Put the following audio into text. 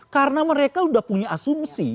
karena mereka udah punya asumsi